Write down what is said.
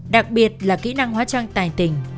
đặc biệt là kỹ năng hóa trang tài tình